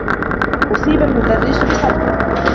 أُصيب المدرّس بصدمة.